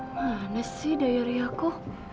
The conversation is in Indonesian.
mana sih daya ria ku